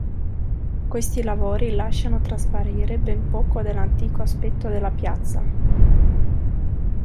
Questi lavori lasciano trasparire ben poco dell'antico aspetto della piazza.